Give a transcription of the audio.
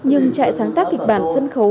nhưng trại sáng tác kịch bản sân khấu